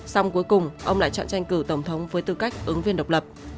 xong cuối cùng ông lại chọn tranh cử tổng thống với tư cách ứng viên độc lập